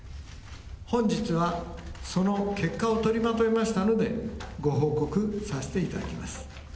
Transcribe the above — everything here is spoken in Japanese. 本日はその結果を取りまとめましたので、ご報告させていただきます。